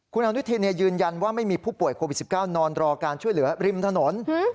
คุณอนุทินยืนยันว่าไม่มีผู้ป่วยโควิด๑๙นอนรอการช่วยเหลือริมถนน